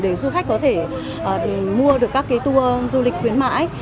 để du khách có thể mua được các cái tour du lịch khuyến mãi